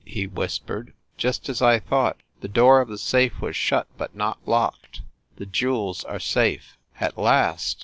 he whispered. "Just as I thought the door of the safe was shut but not locked. The jewels are safe." "At last!"